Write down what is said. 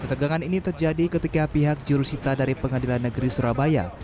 ketegangan ini terjadi ketika pihak jurusita dari pengadilan negeri surabaya